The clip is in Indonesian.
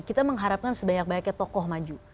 kita mengharapkan sebanyak banyaknya tokoh maju